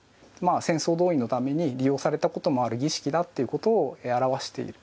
戦争動員のために利用されたこともある儀式だということを表している。